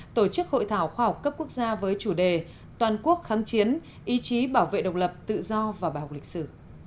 tổ chức hội thảo khoa học cấp quốc gia với chủ đề toàn quốc kháng chiến ý chí bảo vệ độc lập tự do và bài học lịch sử